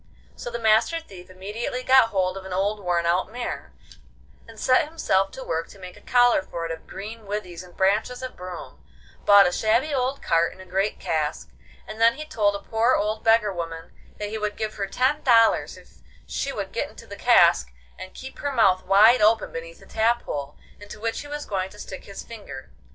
So the Master Thief immediately got hold of an old worn out mare, and set himself to work to make a collar for it of green withies and branches of broom; bought a shabby old cart and a great cask, and then he told a poor old beggar woman that he would give her ten dollars if she would get into the cask and keep her mouth wide open beneath the tap hole, into which he was going to stick his finger.